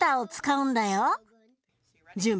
うん。